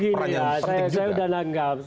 jadi begini ya saya sudah nanggap